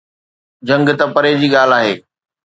جنگ ته پري جي ڳالهه آهي.